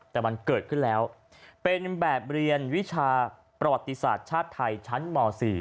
แต่มันเกิดขึ้นแล้วเป็นแบบเรียนวิชาประวัติศาสตร์ชาติไทยชั้นม๔